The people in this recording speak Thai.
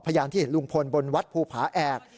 พยานที่เห็นลุงพลบนวัดภูผาแอก